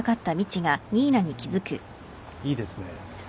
いいですね。